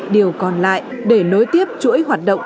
điều còn lại để nối tiếp chuỗi hoạt động